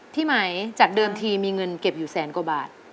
ไหมจากเดิมทีมีเงินเก็บอยู่แสนกว่าบาท